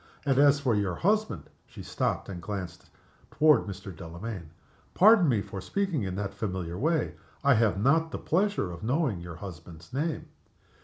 And as for your husband " She stopped and glanced toward Mr. Delamayn. "Pardon me for speaking in that familiar way. I have not the pleasure of knowing your husband's name."